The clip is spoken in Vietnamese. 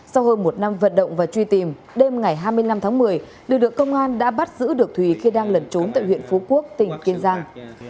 sau hơn một năm vận động và truy tìm đêm ngày hai mươi năm tháng một mươi lực lượng công an đã bắt giữ được thùy khi đang lẩn trốn tại huyện phú quốc tỉnh kiên giang